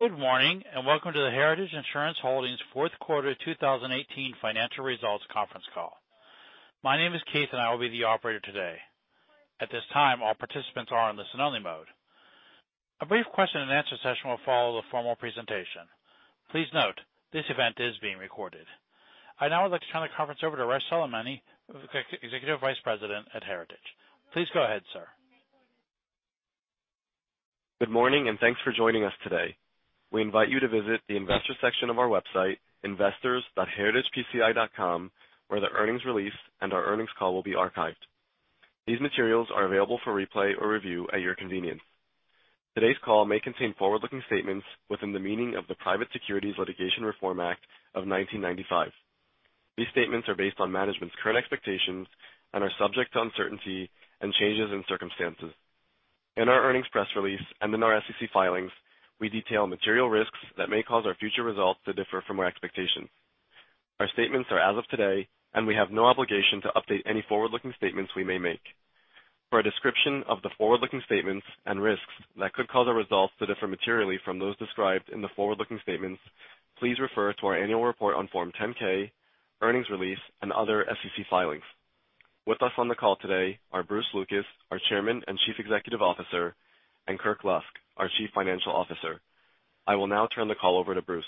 Good morning, and welcome to the Heritage Insurance Holdings fourth quarter 2018 financial results conference call. My name is Keith, and I will be the operator today. At this time, all participants are in listen-only mode. A brief question and answer session will follow the formal presentation. Please note, this event is being recorded. I'd now like to turn the conference over to Arash Soleimani, Executive Vice President at Heritage. Please go ahead, sir. Good morning, thanks for joining us today. We invite you to visit the investor section of our website, investors.heritagepci.com, where the earnings release and our earnings call will be archived. These materials are available for replay or review at your convenience. Today's call may contain forward-looking statements within the meaning of the Private Securities Litigation Reform Act of 1995. These statements are based on management's current expectations and are subject to uncertainty and changes in circumstances. In our earnings press release and in our SEC filings, we detail material risks that may cause our future results to differ from our expectations. Our statements are as of today, we have no obligation to update any forward-looking statements we may make. For a description of the forward-looking statements and risks that could cause our results to differ materially from those described in the forward-looking statements, please refer to our annual report on Form 10-K, earnings release, and other SEC filings. With us on the call today are Bruce Lucas, our Chairman and Chief Executive Officer, and Kirk Lusk, our Chief Financial Officer. I will now turn the call over to Bruce.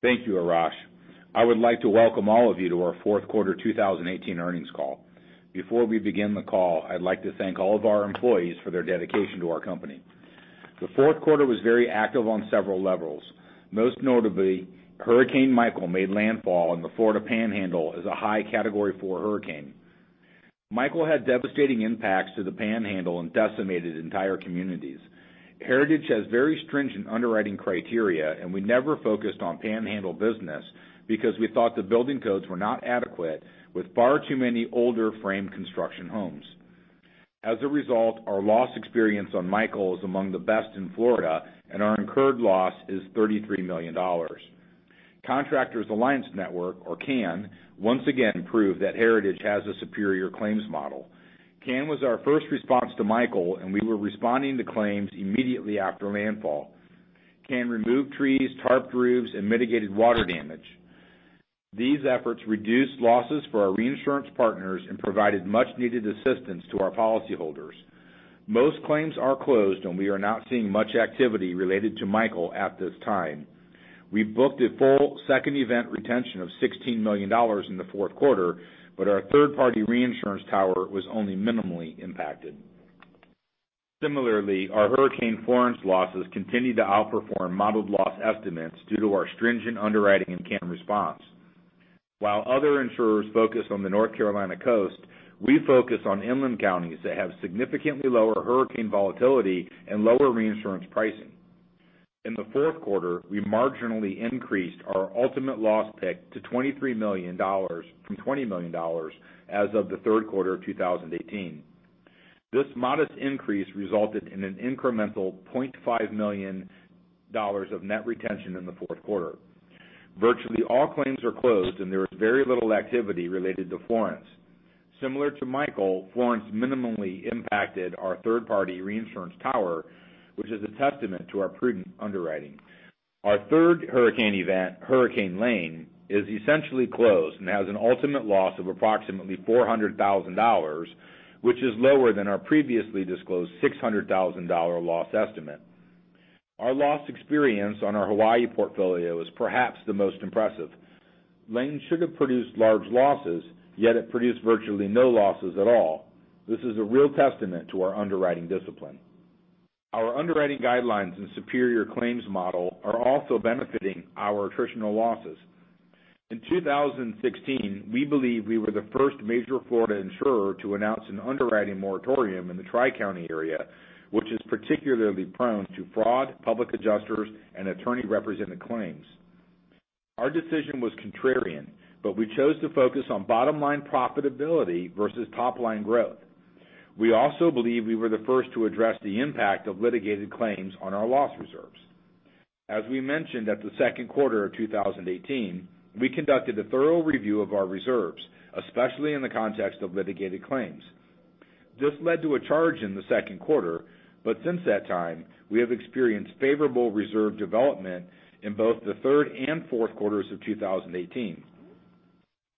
Thank you, Arash. I would like to welcome all of you to our fourth quarter 2018 earnings call. Before we begin the call, I'd like to thank all of our employees for their dedication to our company. The fourth quarter was very active on several levels. Most notably, Hurricane Michael made landfall in the Florida Panhandle as a high Category 4 hurricane. Michael had devastating impacts to the Panhandle and decimated entire communities. Heritage has very stringent underwriting criteria, we never focused on Panhandle business because we thought the building codes were not adequate, with far too many older frame construction homes. As a result, our loss experience on Michael is among the best in Florida, our incurred loss is $33 million. Contractors Alliance Network, or CAN, once again proved that Heritage has a superior claims model. CAN was our first response to Michael, and we were responding to claims immediately after landfall. CAN removed trees, tarped roofs, and mitigated water damage. These efforts reduced losses for our reinsurance partners and provided much needed assistance to our policyholders. Most claims are closed, and we are not seeing much activity related to Michael at this time. We booked a full second event retention of $16 million in the fourth quarter, but our third-party reinsurance tower was only minimally impacted. Similarly, our Hurricane Florence losses continued to outperform modeled loss estimates due to our stringent underwriting and CAN response. While other insurers focus on the North Carolina coast, we focus on inland counties that have significantly lower hurricane volatility and lower reinsurance pricing. In the fourth quarter, we marginally increased our ultimate loss pick to $23 million from $20 million as of the third quarter of 2018. This modest increase resulted in an incremental $20.5 million of net retention in the fourth quarter. Virtually all claims are closed, and there is very little activity related to Florence. Similar to Michael, Florence minimally impacted our third-party reinsurance tower, which is a testament to our prudent underwriting. Our third hurricane event, Hurricane Lane, is essentially closed and has an ultimate loss of approximately $400,000, which is lower than our previously disclosed $600,000 loss estimate. Our loss experience on our Hawaii portfolio is perhaps the most impressive. Lane should have produced large losses, yet it produced virtually no losses at all. This is a real testament to our underwriting discipline. Our underwriting guidelines and superior claims model are also benefiting our attritional losses. In 2016, we believe we were the first major Florida insurer to announce an underwriting moratorium in the Tri-County area, which is particularly prone to fraud, public adjusters, and attorney-represented claims. Our decision was contrarian, but we chose to focus on bottom-line profitability versus top-line growth. We also believe we were the first to address the impact of litigated claims on our loss reserves. As we mentioned at the second quarter of 2018, we conducted a thorough review of our reserves, especially in the context of litigated claims. This led to a charge in the second quarter, but since that time, we have experienced favorable reserve development in both the third and fourth quarters of 2018.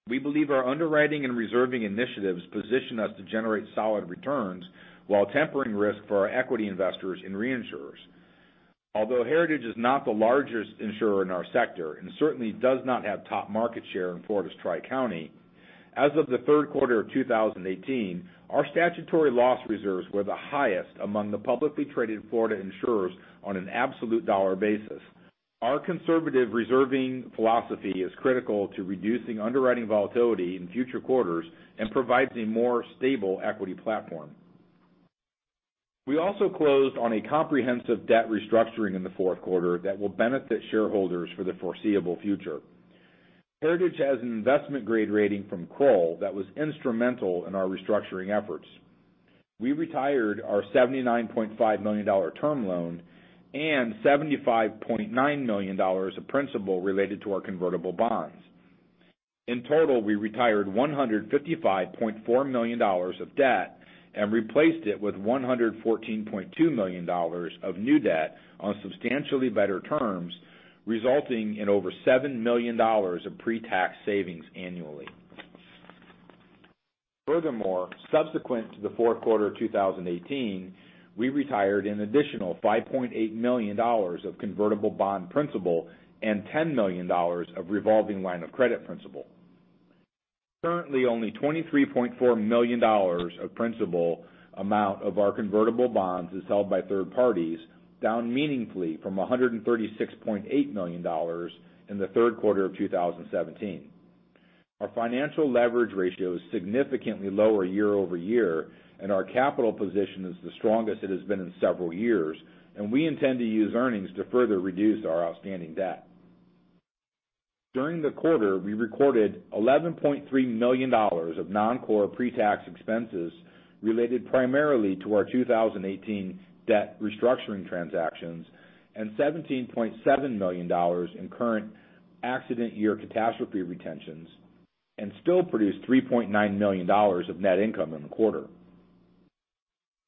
We believe our underwriting and reserving initiatives position us to generate solid returns while tempering risk for our equity investors and reinsurers. Although Heritage is not the largest insurer in our sector and certainly does not have top market share in Florida's Tri-County, as of the third quarter of 2018, our statutory loss reserves were the highest among the publicly traded Florida insurers on an absolute dollar basis. Our conservative reserving philosophy is critical to reducing underwriting volatility in future quarters and provides a more stable equity platform. We also closed on a comprehensive debt restructuring in the fourth quarter that will benefit shareholders for the foreseeable future. Heritage has an investment-grade rating from Kroll that was instrumental in our restructuring efforts. We retired our $79.5 million term loan and $75.9 million of principal related to our convertible bonds. In total, we retired $155.4 million of debt and replaced it with $114.2 million of new debt on substantially better terms, resulting in over $7 million of pre-tax savings annually. Furthermore, subsequent to the fourth quarter of 2018, we retired an additional $5.8 million of convertible bond principal and $10 million of revolving line of credit principal. Currently, only $23.4 million of principal amount of our convertible bonds is held by third parties, down meaningfully from $136.8 million in the third quarter of 2017. Our financial leverage ratio is significantly lower year-over-year, and our capital position is the strongest it has been in several years, and we intend to use earnings to further reduce our outstanding debt. During the quarter, we recorded $11.3 million of non-core pre-tax expenses related primarily to our 2018 debt restructuring transactions and $17.7 million in current accident year catastrophe retentions, and still produced $3.9 million of net income in the quarter.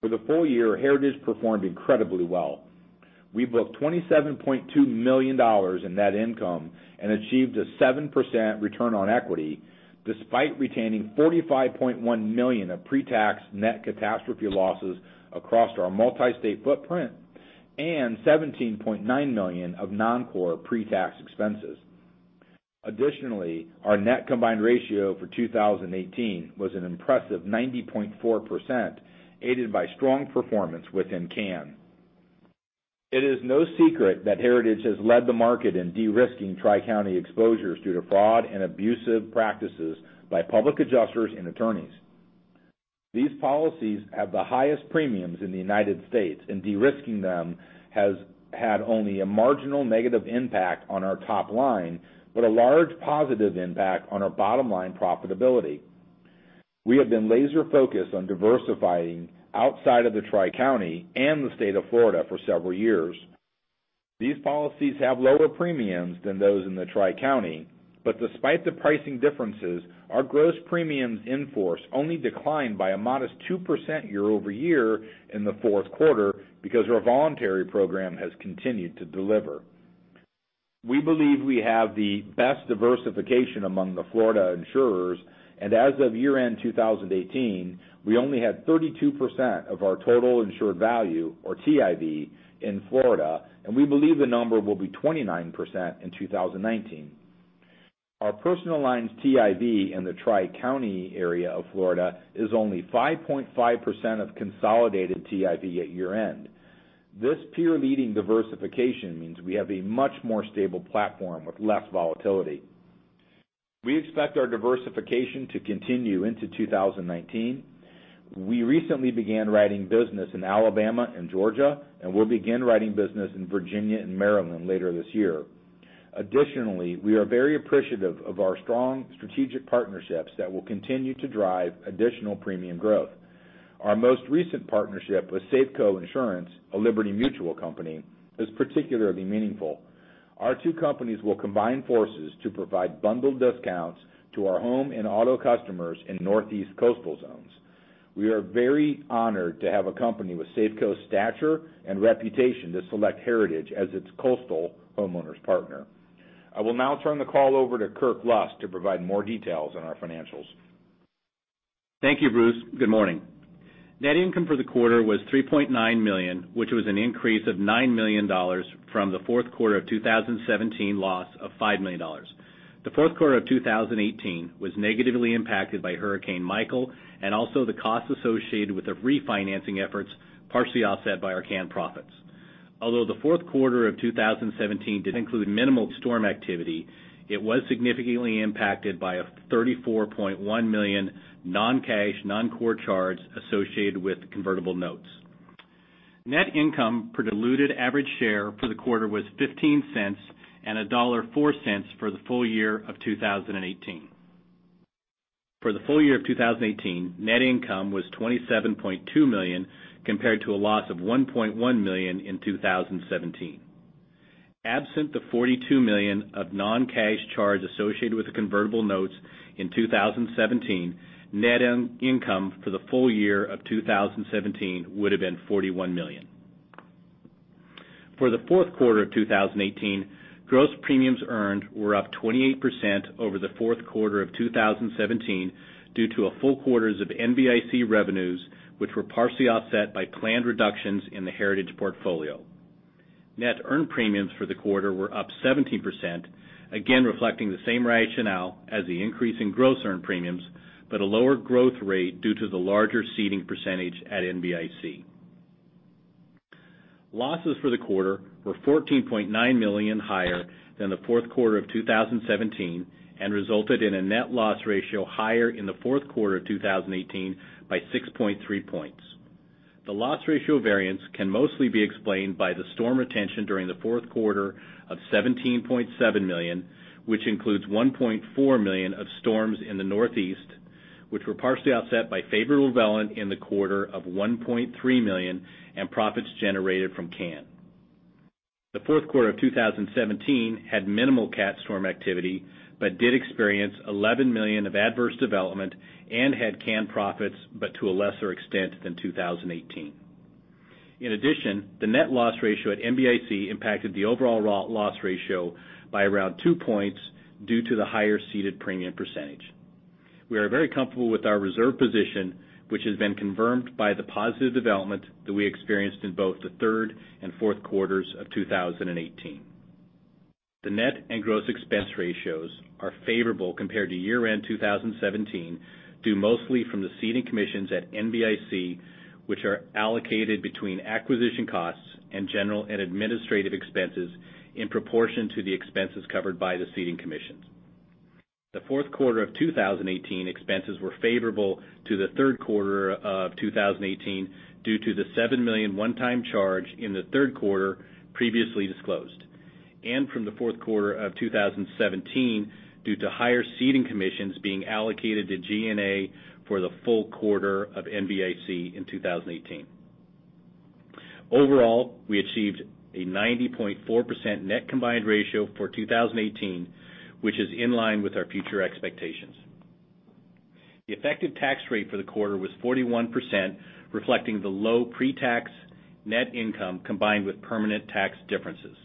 For the full year, Heritage performed incredibly well. We booked $27.2 million in net income and achieved a 7% return on equity despite retaining $45.1 million of pre-tax net catastrophe losses across our multi-state footprint and $17.9 million of non-core pre-tax expenses. Additionally, our net combined ratio for 2018 was an impressive 90.4%, aided by strong performance within CAN. It is no secret that Heritage has led the market in de-risking Tri-County exposures due to fraud and abusive practices by public adjusters and attorneys. These policies have the highest premiums in the United States, and de-risking them has had only a marginal negative impact on our top line, but a large positive impact on our bottom line profitability. We have been laser focused on diversifying outside of the Tri-County and the state of Florida for several years. These policies have lower premiums than those in the Tri-County, despite the pricing differences, our gross premiums enforced only declined by a modest 2% year-over-year in the fourth quarter because our voluntary program has continued to deliver. We believe we have the best diversification among the Florida insurers, and as of year-end 2018, we only had 32% of our total insured value, or TIV, in Florida, and we believe the number will be 29% in 2019. Our personal lines TIV in the Tri-County area of Florida is only 5.5% of consolidated TIV at year-end. This peer-leading diversification means we have a much more stable platform with less volatility. We expect our diversification to continue into 2019. We recently began writing business in Alabama and Georgia, we'll begin writing business in Virginia and Maryland later this year. Additionally, we are very appreciative of our strong strategic partnerships that will continue to drive additional premium growth. Our most recent partnership with Safeco Insurance, a Liberty Mutual company, is particularly meaningful. Our two companies will combine forces to provide bundled discounts to our home and auto customers in Northeast coastal zones. We are very honored to have a company with Safeco's stature and reputation to select Heritage as its coastal homeowners partner. I will now turn the call over to Kirk Lusk to provide more details on our financials. Thank you, Bruce. Good morning. Net income for the quarter was $3.9 million, which was an increase of $9 million from the fourth quarter of 2017 loss of $5 million. The fourth quarter of 2018 was negatively impacted by Hurricane Michael and also the costs associated with the refinancing efforts, partially offset by our CAN profits. Although the fourth quarter of 2017 did include minimal storm activity, it was significantly impacted by a $34.1 million non-cash, non-core charge associated with convertible notes. Net income per diluted average share for the quarter was $0.15 and $1.04 for the full year of 2018. For the full year of 2018, net income was $27.2 million, compared to a loss of $1.1 million in 2017. Absent the $42 million of non-cash charge associated with the convertible notes in 2017, net income for the full year of 2017 would have been $41 million. For the fourth quarter of 2018, gross premiums earned were up 28% over the fourth quarter of 2017 due to a full quarters of NBIC revenues, which were partially offset by planned reductions in the Heritage portfolio. Net earned premiums for the quarter were up 17%, again reflecting the same rationale as the increase in gross earned premiums, but a lower growth rate due to the larger ceding percentage at NBIC. Losses for the quarter were $14.9 million higher than the fourth quarter of 2017 and resulted in a net loss ratio higher in the fourth quarter of 2018 by 6.3 points. The loss ratio variance can mostly be explained by the storm retention during the fourth quarter of $17.7 million, which includes $1.4 million of storms in the Northeast, which were partially offset by. The fourth quarter of 2017 had minimal cat storm activity, but did experience $11 million of adverse development and had CAN profits, but to a lesser extent than 2018. In addition, the net loss ratio at NBIC impacted the overall loss ratio by around 2 points due to the higher ceded premium percentage. We are very comfortable with our reserve position, which has been confirmed by the positive development that we experienced in both the third and fourth quarters of 2018. The net and gross expense ratios are favorable compared to year-end 2017, due mostly from the ceding commissions at NBIC, which are allocated between acquisition costs and general and administrative expenses in proportion to the expenses covered by the ceding commissions. The fourth quarter of 2018 expenses were favorable to the third quarter of 2018 due to the $7 million one-time charge in the third quarter previously disclosed, and from the fourth quarter of 2017 due to higher ceding commissions being allocated to G&A for the full quarter of NBIC in 2018. Overall, we achieved a 90.4% net combined ratio for 2018, which is in line with our future expectations. The effective tax rate for the quarter was 41%, reflecting the low pre-tax net income combined with permanent tax differences.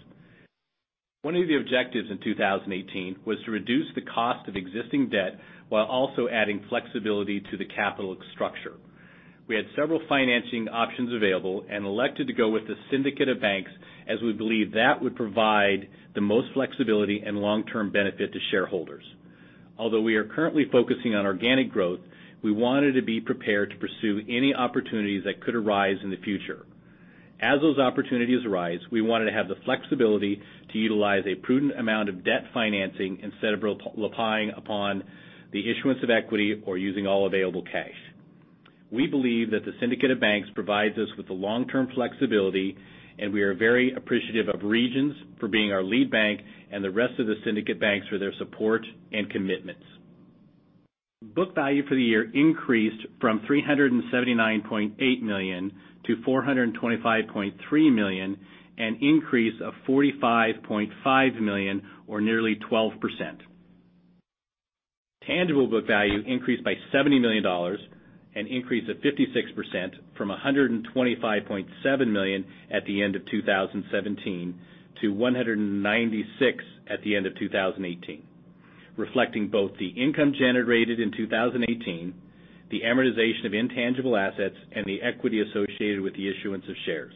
One of the objectives in 2018 was to reduce the cost of existing debt while also adding flexibility to the capital structure. We had several financing options available and elected to go with a syndicate of banks, as we believed that would provide the most flexibility and long-term benefit to shareholders. Although we are currently focusing on organic growth, we wanted to be prepared to pursue any opportunities that could arise in the future. As those opportunities arise, we wanted to have the flexibility to utilize a prudent amount of debt financing instead of relying upon the issuance of equity or using all available cash. We believe that the syndicate of banks provides us with the long-term flexibility, and we are very appreciative of Regions for being our lead bank and the rest of the syndicate banks for their support and commitments. Book value for the year increased from $379.8 million to $425.3 million, an increase of $45.5 million or nearly 12%. Tangible book value increased by $70 million, an increase of 56%, from $125.7 million at the end of 2017 to $196 million at the end of 2018, reflecting both the income generated in 2018, the amortization of intangible assets, and the equity associated with the issuance of shares.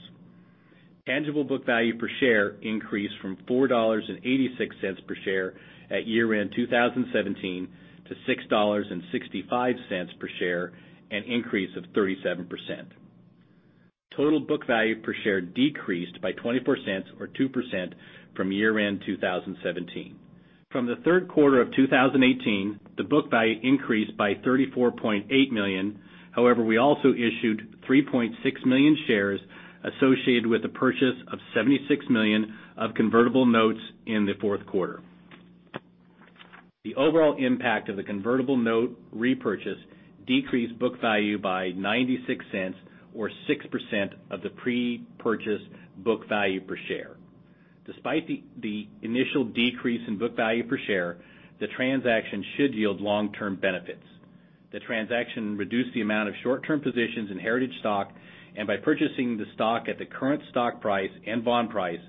Tangible book value per share increased from $4.86 per share at year-end 2017 to $6.65 per share, an increase of 37%. Total book value per share decreased by $0.24 or 2% from year-end 2017. From the third quarter of 2018, the book value increased by $34.8 million. We also issued 3.6 million shares associated with the purchase of $76 million of convertible notes in the fourth quarter. The overall impact of the convertible note repurchase decreased book value by $0.96 or 6% of the pre-purchase book value per share. Despite the initial decrease in book value per share, the transaction should yield long-term benefits. The transaction reduced the amount of short-term positions in Heritage stock, and by purchasing the stock at the current stock price and bond price,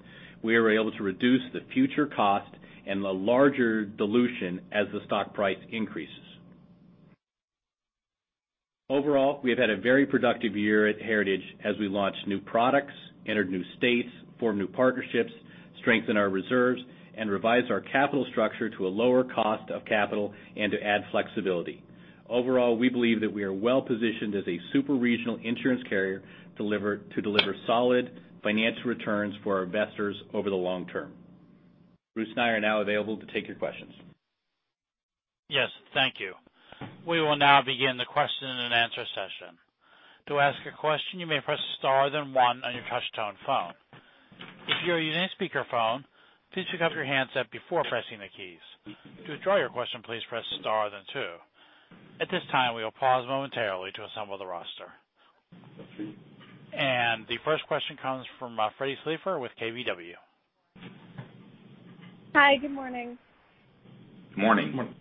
we were able to reduce the future cost and the larger dilution as the stock price increases. Overall, we have had a very productive year at Heritage as we launched new products, entered new states, formed new partnerships, strengthened our reserves, and revised our capital structure to a lower cost of capital and to add flexibility. Overall, we believe that we are well positioned as a super-regional insurance carrier to deliver solid financial returns for our investors over the long term. Bruce and I are now available to take your questions. Yes. Thank you. We will now begin the question and answer session. To ask a question, you may press star then one on your touch-tone phone. If you are using a speakerphone, please pick up your handset before pressing the keys. To withdraw your question, please press star then two. At this time, we will pause momentarily to assemble the roster. The first question comes from Meyer Shields with KBW. Hi. Good morning. Morning. Morning.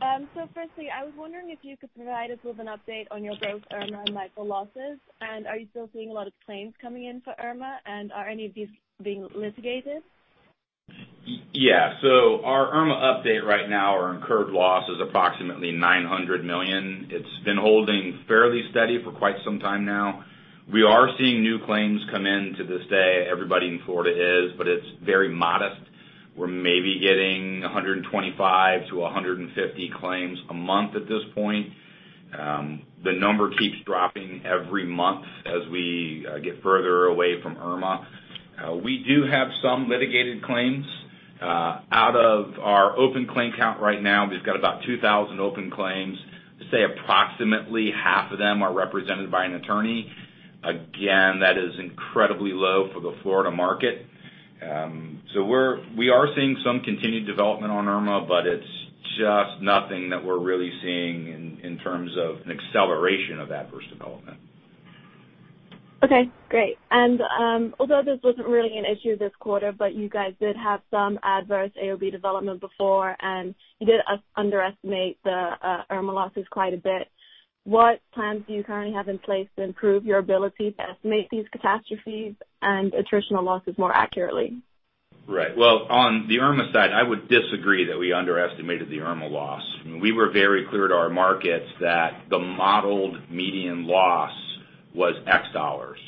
Firstly, I was wondering if you could provide us with an update on your gross Irma and Michael losses. Are you still seeing a lot of claims coming in for Irma, and are any of these being litigated? Yeah. Our Irma update right now, our incurred loss is approximately $900 million. It's been holding fairly steady for quite some time now. We are seeing new claims come in to this day. Everybody in Florida is, but it's very modest. We're maybe getting 125 to 150 claims a month at this point. The number keeps dropping every month as we get further away from Irma. We do have some litigated claims. Out of our open claim count right now, we've got about 2,000 open claims. Say approximately half of them are represented by an attorney. Again, that is incredibly low for the Florida market. We are seeing some continued development on Irma, but it's Just nothing that we're really seeing in terms of an acceleration of adverse development. Okay, great. Although this wasn't really an issue this quarter, you guys did have some adverse AOB development before, and you did underestimate the Irma losses quite a bit. What plans do you currently have in place to improve your ability to estimate these catastrophes and attritional losses more accurately? Right. On the Irma side, I would disagree that we underestimated the Irma loss. We were very clear to our markets that the modeled median loss was X dollars.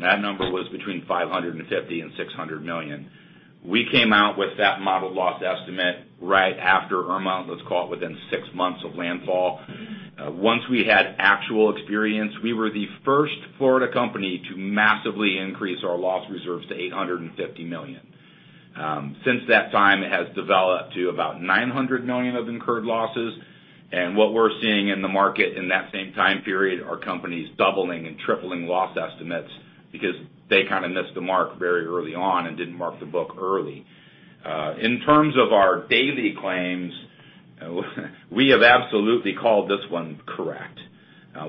That number was between $550 million and $600 million. We came out with that modeled loss estimate right after Irma. Let's call it within six months of landfall. Once we had actual experience, we were the first Florida company to massively increase our loss reserves to $850 million. Since that time, it has developed to about $900 million of incurred losses. What we're seeing in the market in that same time period are companies doubling and tripling loss estimates because they kind of missed the mark very early on and didn't mark the book early. In terms of our daily claims, we have absolutely called this one correct.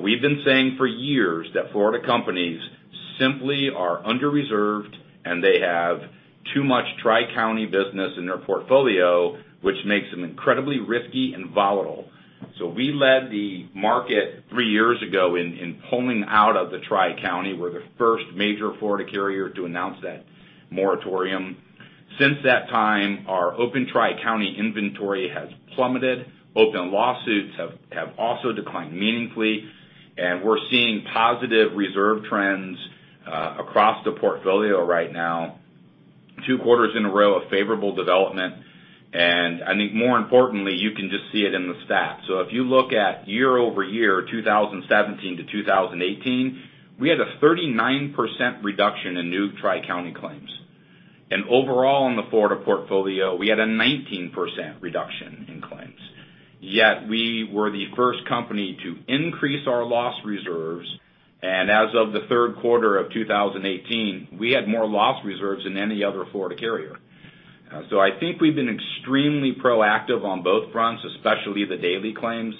We've been saying for years that Florida companies simply are under-reserved. They have too much Tri-County business in their portfolio, which makes them incredibly risky and volatile. We led the market three years ago in pulling out of the Tri-County. We're the first major Florida carrier to announce that moratorium. Since that time, our open Tri-County inventory has plummeted. Open lawsuits have also declined meaningfully, and we're seeing positive reserve trends across the portfolio right now. Two quarters in a row of favorable development. I think more importantly, you can just see it in the stats. If you look at year-over-year 2017 to 2018, we had a 39% reduction in new Tri-County claims. Overall in the Florida portfolio, we had a 19% reduction in claims. Yet we were the first company to increase our loss reserves, and as of the third quarter of 2018, we had more loss reserves than any other Florida carrier. I think we've been extremely proactive on both fronts, especially the daily claims.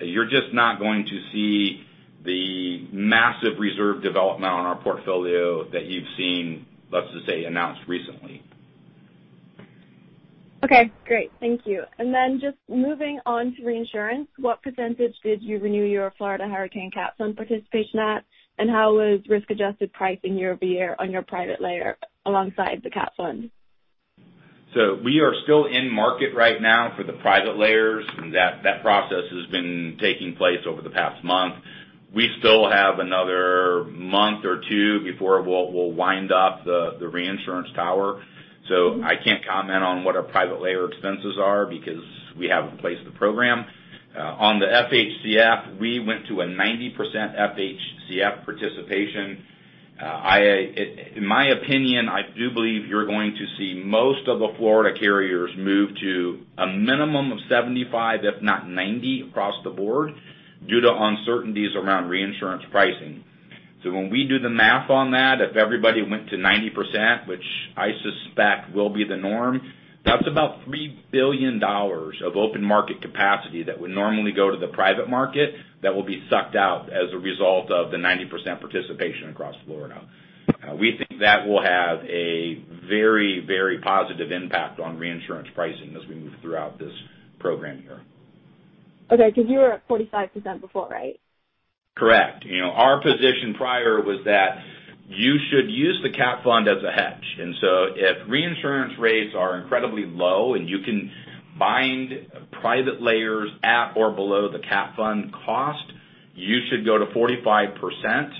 You're just not going to see the massive reserve development on our portfolio that you've seen, let's just say, announced recently. Okay, great. Thank you. Just moving on to reinsurance, what percentage did you renew your Florida Hurricane Catastrophe Fund participation at? How was risk-adjusted pricing year-over-year on your private layer alongside the Cat Fund? We are still in market right now for the private layers, that process has been taking place over the past month. We still have another month or two before we'll wind up the reinsurance tower. I can't comment on what our private layer expenses are because we haven't placed the program. On the FHCF, we went to a 90% FHCF participation. In my opinion, I do believe you're going to see most of the Florida carriers move to a minimum of 75, if not 90 across the board due to uncertainties around reinsurance pricing. When we do the math on that, if everybody went to 90%, which I suspect will be the norm, that's about $3 billion of open market capacity that would normally go to the private market that will be sucked out as a result of the 90% participation across Florida. We think that will have a very, very positive impact on reinsurance pricing as we move throughout this program year. Okay, because you were at 45% before, right? Correct. Our position prior was that you should use the Cat Fund as a hedge. If reinsurance rates are incredibly low and you can bind private layers at or below the Cat Fund cost, you should go to 45%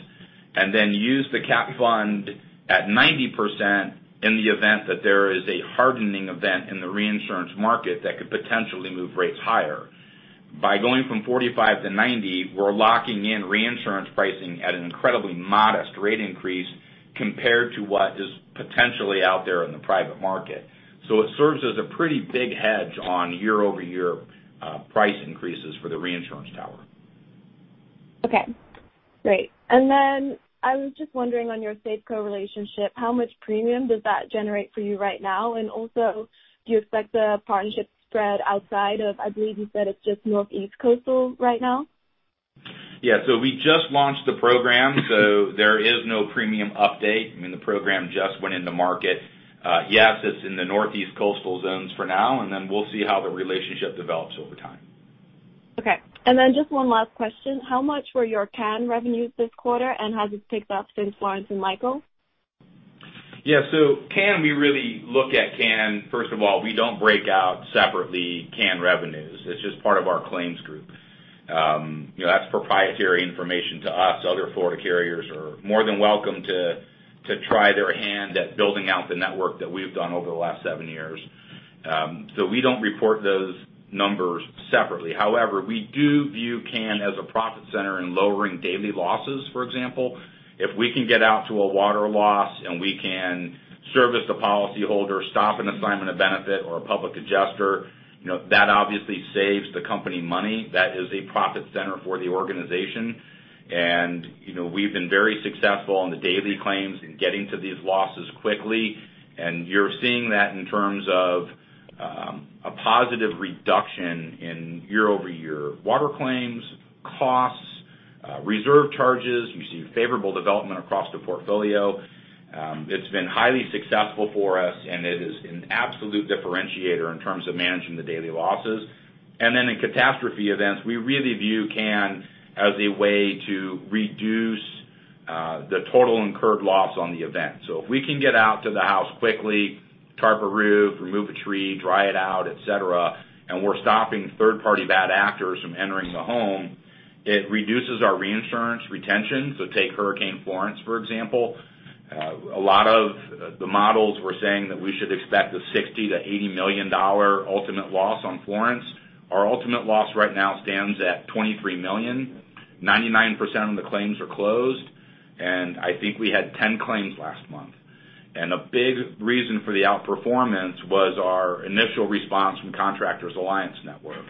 and then use the Cat Fund at 90% in the event that there is a hardening event in the reinsurance market that could potentially move rates higher. By going from 45 to 90, we're locking in reinsurance pricing at an incredibly modest rate increase compared to what is potentially out there in the private market. It serves as a pretty big hedge on year-over-year price increases for the reinsurance tower. Okay, great. I was just wondering on your Safeco relationship, how much premium does that generate for you right now? Also, do you expect the partnership spread outside of, I believe you said it's just Northeast Coastal right now? Yeah. We just launched the program, so there is no premium update. I mean, the program just went in the market. Yes, it's in the Northeast Coastal zones for now, and then we'll see how the relationship develops over time. Okay. Then just one last question. How much were your CAN revenues this quarter, and has it ticked up since Florence and Michael? Yeah. CAN, we really look at CAN. First of all, we don't break out separately CAN revenues. It's just part of our claims group. That's proprietary information to us. Other Florida carriers are more than welcome to try their hand at building out the network that we've done over the last seven years. We don't report those numbers separately. However, we do view CAN as a profit center in lowering daily losses, for example. If we can get out to a water loss and we can service the policyholder, stop an assignment of benefit or a public adjuster, that obviously saves the company money. That is a profit center for the organization. We've been very successful on the daily claims in getting to these losses quickly. You're seeing that in terms of A positive reduction in year-over-year water claims, costs, reserve charges. You see favorable development across the portfolio. It's been highly successful for us, it is an absolute differentiator in terms of managing the daily losses. Then in catastrophe events, we really view CAN as a way to reduce the total incurred loss on the event. If we can get out to the house quickly, tarp a roof, remove a tree, dry it out, et cetera, we're stopping third-party bad actors from entering the home, it reduces our reinsurance retention. Take Hurricane Florence, for example. A lot of the models were saying that we should expect a $60 million-$80 million ultimate loss on Florence. Our ultimate loss right now stands at $23 million. 99% of the claims are closed, I think we had 10 claims last month. A big reason for the outperformance was our initial response from Contractors Alliance Network.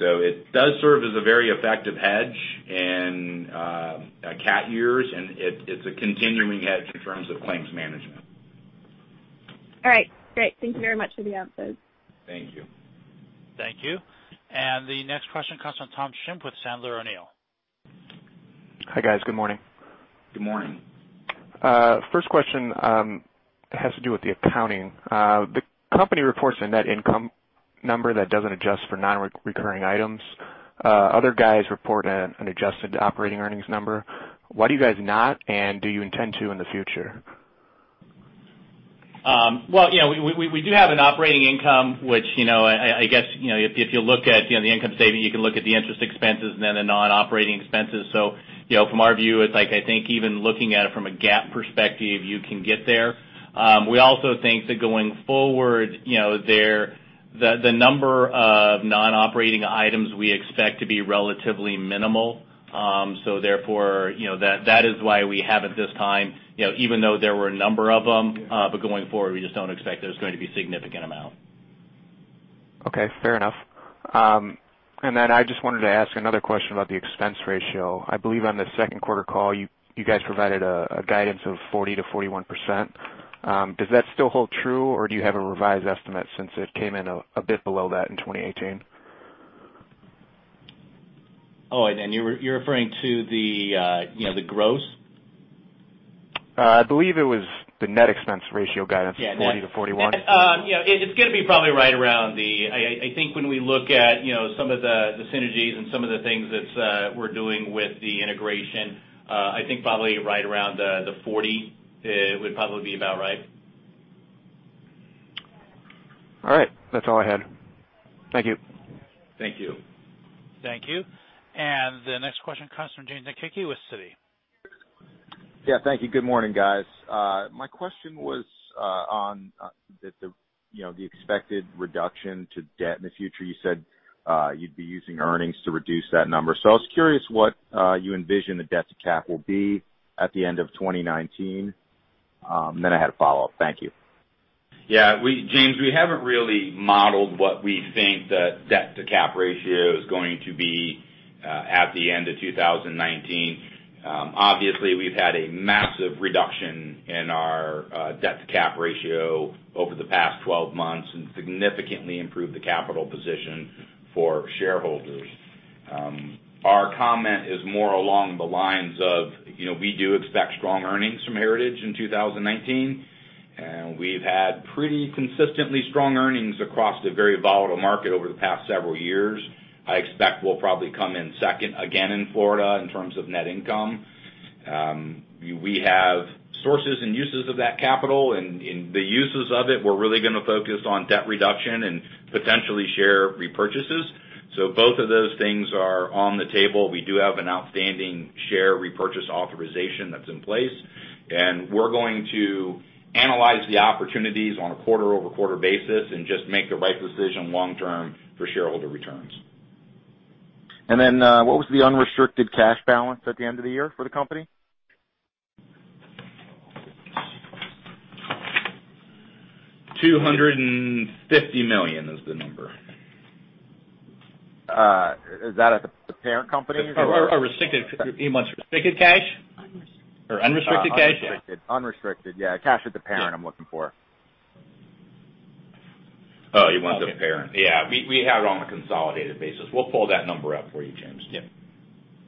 It does serve as a very effective hedge in cat years, it's a continuing hedge in terms of claims management. All right. Great. Thank you very much for the answers. Thank you. Thank you. The next question comes from Tom Shimp with Sandler O'Neill. Hi, guys. Good morning. Good morning. First question has to do with the accounting. The company reports a net income number that doesn't adjust for non-recurring items. Other guys report an adjusted operating earnings number. Why do you guys not, and do you intend to in the future? Well, we do have an operating income, which I guess if you look at the income statement, you can look at the interest expenses, then the non-operating expenses. From our view, I think even looking at it from a GAAP perspective, you can get there. We also think that going forward, the number of non-operating items we expect to be relatively minimal. Therefore, that is why we haven't this time, even though there were a number of them. Going forward, we just don't expect there's going to be significant amount. Okay, fair enough. I just wanted to ask another question about the expense ratio. I believe on the second quarter call, you guys provided a guidance of 40%-41%. Does that still hold true, or do you have a revised estimate since it came in a bit below that in 2018? Oh, you're referring to the gross? I believe it was the net expense ratio guidance. Yeah, net. 40%-41%. It's going to be probably right around the when we look at some of the synergies and some of the things that we're doing with the integration, I think probably right around the 40 would probably be about right. All right. That's all I had. Thank you. Thank you. Thank you. The next question comes from James Wang with Citi. Thank you. Good morning, guys. My question was on the expected reduction to debt in the future. You said you'd be using earnings to reduce that number. I was curious what you envision the debt-to-cap will be at the end of 2019. I had a follow-up. Thank you. James, we haven't really modeled what we think the debt-to-cap ratio is going to be at the end of 2019. Obviously, we've had a massive reduction in our debt-to-cap ratio over the past 12 months and significantly improved the capital position for shareholders. Our comment is more along the lines of we do expect strong earnings from Heritage in 2019, and we've had pretty consistently strong earnings across the very volatile market over the past several years. I expect we'll probably come in second again in Florida in terms of net income. We have sources and uses of that capital. In the uses of it, we're really going to focus on debt reduction and potentially share repurchases. Both of those things are on the table. We do have an outstanding share repurchase authorization that's in place, and we're going to analyze the opportunities on a quarter-over-quarter basis and just make the right decision long term for shareholder returns. What was the unrestricted cash balance at the end of the year for the company? $250 million is the number. Is that at the parent company? Restricted. You want restricted cash? Unrestricted. Unrestricted cash? Unrestricted, yeah. Cash at the parent, I'm looking for. Oh, you want the parent. Yeah. We have it on a consolidated basis. We'll pull that number up for you, James. Yeah.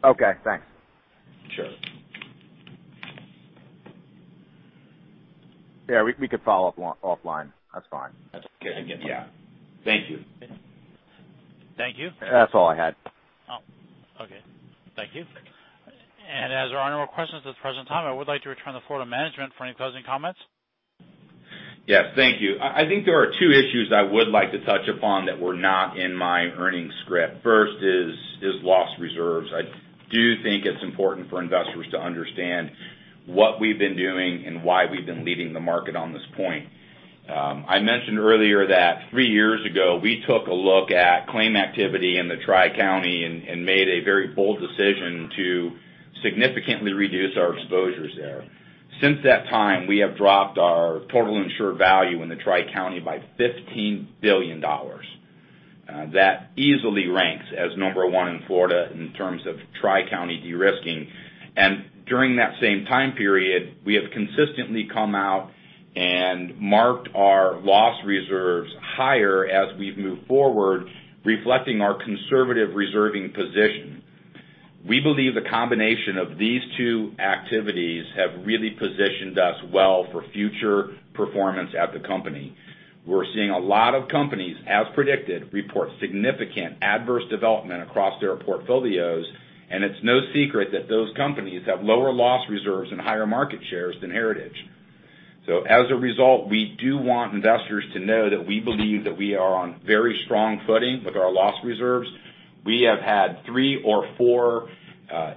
Okay, thanks. Sure. Yeah, we could follow up offline. That's fine. That's good. Yeah. Thank you. Thank you. That's all I had. Oh, okay. Thank you. As there are no more questions at the present time, I would like to return the floor to management for any closing comments. Yes, thank you. I think there are two issues I would like to touch upon that were not in my earnings script. First is loss reserves. I do think it's important for investors to understand what we've been doing and why we've been leading the market on this point. I mentioned earlier that three years ago, we took a look at claim activity in the Tri-County and made a very bold decision to significantly reduce our exposures there. Since that time, we have dropped our total insured value in the Tri-County by $15 billion. That easily ranks as number 1 in Florida in terms of Tri-County de-risking. During that same time period, we have consistently come out and marked our loss reserves higher as we've moved forward, reflecting our conservative reserving position. We believe the combination of these two activities have really positioned us well for future performance at the company. We're seeing a lot of companies, as predicted, report significant adverse development across their portfolios, and it's no secret that those companies have lower loss reserves and higher market shares than Heritage. As a result, we do want investors to know that we believe that we are on very strong footing with our loss reserves. We have had three or four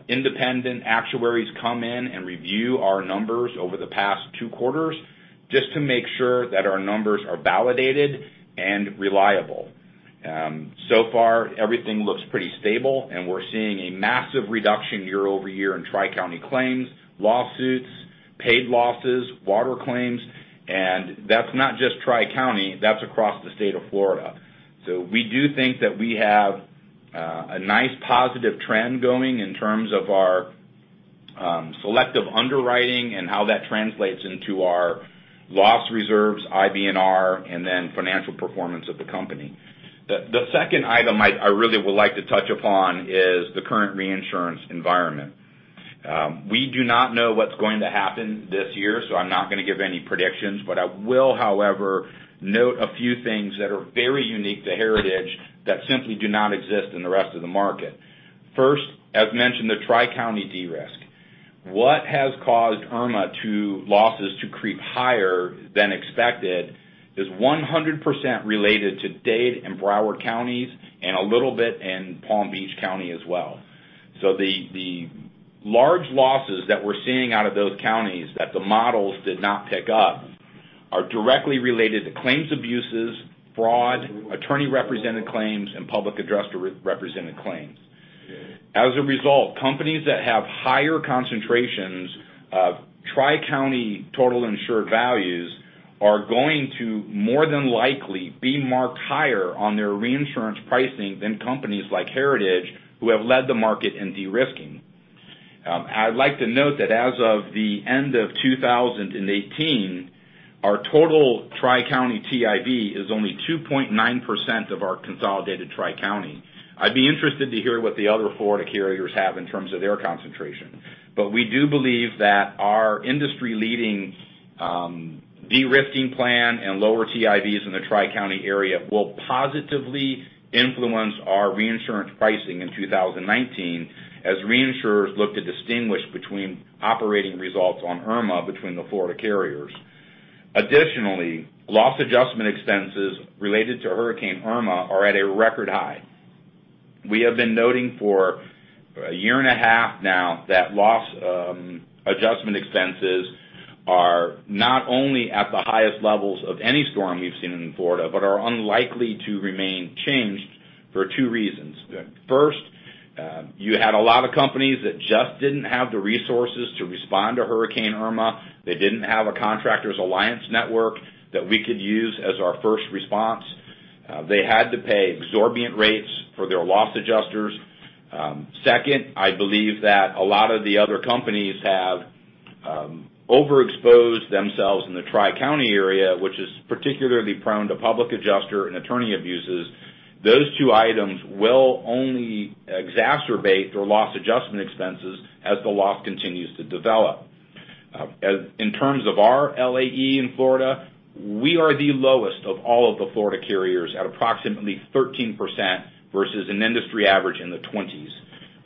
independent actuaries come in and review our numbers over the past two quarters just to make sure that our numbers are validated and reliable. Far, everything looks pretty stable, and we're seeing a massive reduction year-over-year in Tri-County claims, lawsuits, paid losses, water claims. That's not just Tri-County, that's across the state of Florida. We do think that we have a nice positive trend going in terms of our selective underwriting and how that translates into our loss reserves, IBNR, and then financial performance of the company. The second item I really would like to touch upon is the current reinsurance environment. We do not know what's going to happen this year, so I'm not going to give any predictions. I will, however, note a few things that are very unique to Heritage that simply do not exist in the rest of the market. First, as mentioned, the Tri-County de-risk. What has caused Irma losses to creep higher than expected is 100% related to Dade and Broward counties, and a little bit in Palm Beach County as well. The large losses that we're seeing out of those counties that the models did not pick up are directly related to claims abuses, fraud, attorney-represented claims, and public adjuster-represented claims. As a result, companies that have higher concentrations of Tri-County total insured values are going to more than likely be marked higher on their reinsurance pricing than companies like Heritage who have led the market in de-risking. I'd like to note that as of the end of 2018, our total Tri-County TIV is only 2.9% of our consolidated Tri-County. I'd be interested to hear what the other Florida carriers have in terms of their concentration. We do believe that our industry-leading de-risking plan and lower TIVs in the Tri-County area will positively influence our reinsurance pricing in 2019 as reinsurers look to distinguish between operating results on Irma between the Florida carriers. Additionally, loss adjustment expenses related to Hurricane Irma are at a record high. We have been noting for a year and a half now that loss adjustment expenses are not only at the highest levels of any storm we've seen in Florida, but are unlikely to remain changed for two reasons. First, you had a lot of companies that just didn't have the resources to respond to Hurricane Irma. They didn't have a Contractors Alliance Network that we could use as our first response. They had to pay exorbitant rates for their loss adjusters. Second, I believe that a lot of the other companies have overexposed themselves in the Tri-County area, which is particularly prone to public adjuster and attorney abuses. Those two items will only exacerbate their loss adjustment expenses as the loss continues to develop. In terms of our LAE in Florida, we are the lowest of all of the Florida carriers at approximately 13% versus an industry average in the 20s.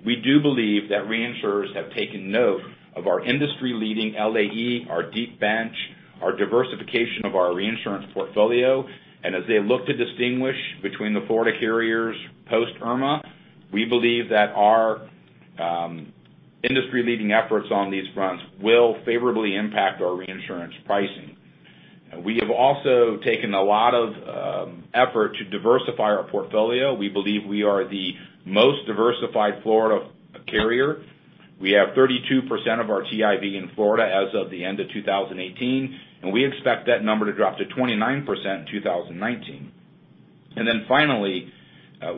We do believe that reinsurers have taken note of our industry-leading LAE, our deep bench, our diversification of our reinsurance portfolio, and as they look to distinguish between the Florida carriers post-Irma, we believe that our industry-leading efforts on these fronts will favorably impact our reinsurance pricing. We have also taken a lot of effort to diversify our portfolio. We believe we are the most diversified Florida carrier. We have 32% of our TIV in Florida as of the end of 2018, and we expect that number to drop to 29% in 2019. Finally,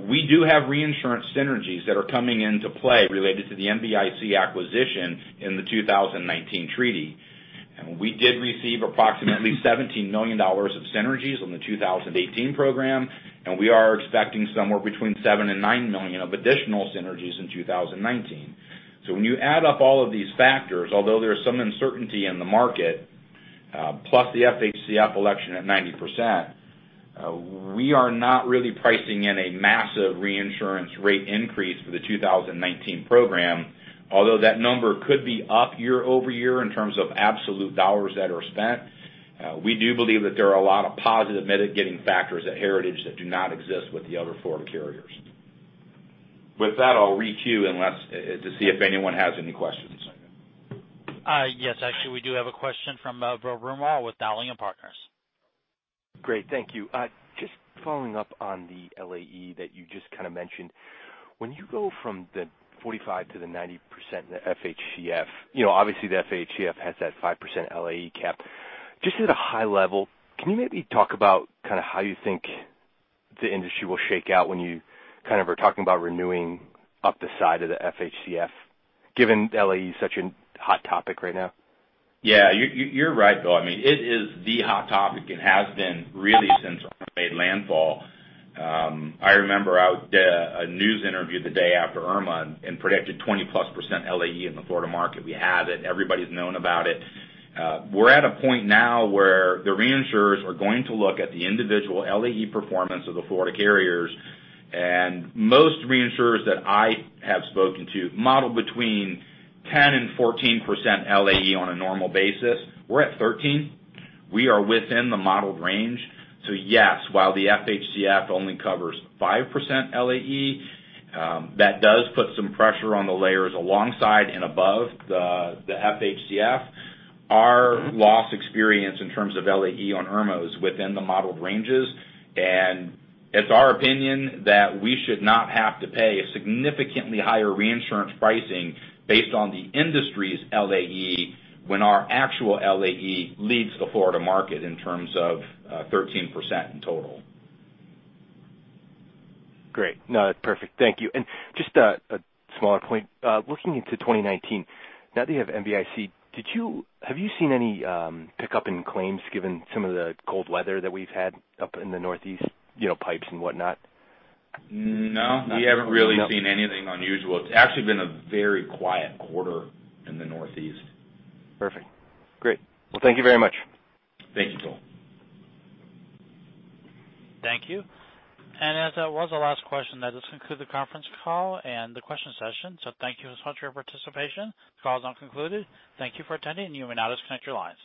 we do have reinsurance synergies that are coming into play related to the NBIC acquisition in the 2019 treaty. We did receive approximately $17 million of synergies on the 2018 program, and we are expecting somewhere between $7 million and $9 million of additional synergies in 2019. When you add up all of these factors, although there is some uncertainty in the market, plus the FHCF election at 90%, we are not really pricing in a massive reinsurance rate increase for the 2019 program. Although that number could be up year-over-year in terms of absolute dollars that are spent, we do believe that there are a lot of positive mitigating factors at Heritage that do not exist with the other Florida carriers. With that, I'll re-queue to see if anyone has any questions. Yes. Actually, we do have a question from Rob Rumore with Dahlia Partners. Great. Thank you. Just following up on the LAE that you just kind of mentioned. When you go from the 45% to the 90% in the FHCF, obviously the FHCF has that 5% LAE cap. Just at a high level, can you maybe talk about how you think the industry will shake out when you are talking about renewing up the side of the FHCF, given LAE is such a hot topic right now. Yeah. You're right, Rob. It is the hot topic and has been really since Irma made landfall. I remember a news interview the day after Irma and predicted 20%+ LAE in the Florida market. We had it. Everybody's known about it. We're at a point now where the reinsurers are going to look at the individual LAE performance of the Florida carriers, and most reinsurers that I have spoken to model between 10% and 14% LAE on a normal basis. We're at 13%. We are within the modeled range. Yes, while the FHCF only covers 5% LAE, that does put some pressure on the layers alongside and above the FHCF. Our loss experience in terms of LAE on Irma is within the modeled ranges. It's our opinion that we should not have to pay a significantly higher reinsurance pricing based on the industry's LAE when our actual LAE leads the Florida market in terms of 13% in total. Great. No, that's perfect. Thank you. Just a smaller point. Looking into 2019, now that you have NBIC, have you seen any pickup in claims given some of the cold weather that we've had up in the Northeast, pipes and whatnot? No, we haven't really seen anything unusual. It's actually been a very quiet quarter in the Northeast. Perfect. Great. Well, thank you very much. Thank you, Bill. Thank you. As that was the last question, that does conclude the conference call and the question session. Thank you so much for your participation. The call is now concluded. Thank you for attending, and you may now disconnect your lines.